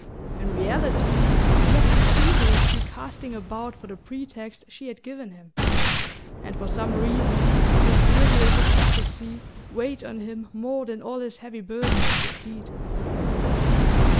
In reality he had been feverishly casting about for the pretext she had given him; and for some reason this trivial hypocrisy weighed on him more than all his heavy burden of deceit.